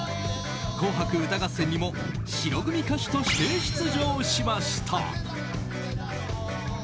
「紅白歌合戦」にも白組歌手として出場しました。